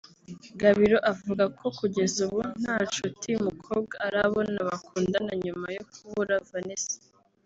Gabiro avuga ko kugeza ubu nta nshuti y'umukobwa arabona bakundana nyuma yo kubura Vanessa